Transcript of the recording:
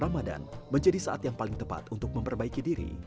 ramadan menjadi saat yang paling tepat untuk memperbaiki diri